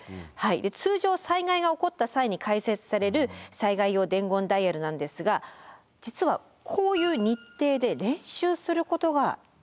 通常災害が起こった際に開設される災害用伝言ダイヤルなんですが実はこういう日程で練習することができるんです。